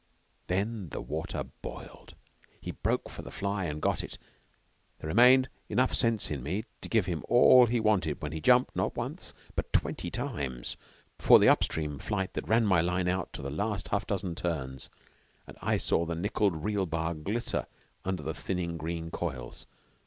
Then the water boiled. He broke for the fly and got it. There remained enough sense in me to give him all he wanted when he jumped not once, but twenty times, before the up stream flight that ran my line out to the last half dozen turns, and I saw the nickelled reel bar glitter under the thinning green coils.